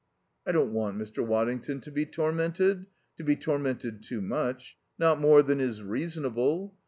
"I don't want Mr. Waddington to be tormented. To be tormented too much. Not more than is reasonable.